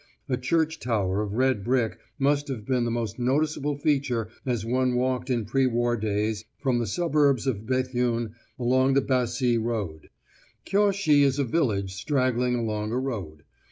A church tower of red brick must have been the most noticeable feature as one walked in pre war days from the suburbs of Béthune along the La Bassée road. Cuinchy is a village straggling along a road.